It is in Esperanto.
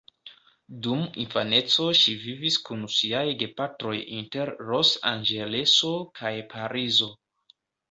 Dum infaneco ŝi vivis kun siaj gepatroj inter Los-Anĝeleso kaj Parizo.